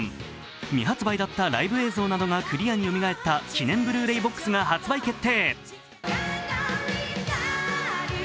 未発売だったライブ映像などがクリアによみがえった記念Ｂｌｕ−ｒａｙＢＯＸが発売決定。